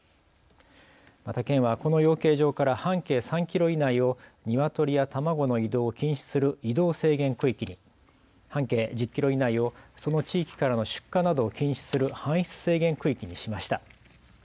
また県はこの養鶏場から半径３キロ以内をニワトリや卵の移動を禁止する移動制限区域に、半径１０キロ以内をその地域からの出荷などを禁止する搬出制限区域にしました。